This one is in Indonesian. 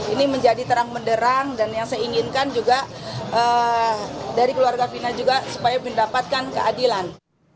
ini menjadi terang menderang dan yang saya inginkan juga dari keluarga fina juga supaya mendapatkan keadilan